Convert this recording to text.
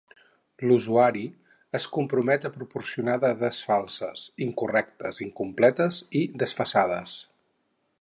L'usuari es compromet a proporcionar dades falses, incorrectes, incompletes i desfasades.